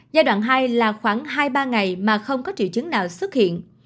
giai đoạn hai là khoảng hai ba ngày mà không có triệu chứng nào xuất hiện